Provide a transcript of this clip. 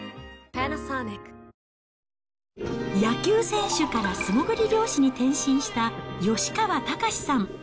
野球選手から素潜り漁師に転身した吉川岳さん。